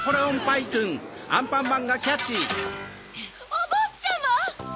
おぼっちゃま！